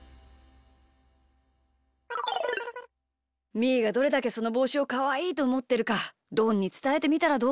みーがどれだけそのぼうしをかわいいとおもってるかどんにつたえてみたらどうかな？